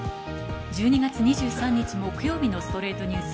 １２月２３日、木曜日の『ストレイトニュース』。